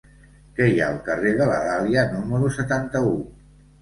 Què hi ha al carrer de la Dàlia número setanta-u?